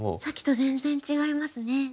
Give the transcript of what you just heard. さっきと全然違いますね。